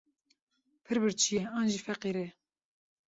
Pir birçî ye an jî feqîr e.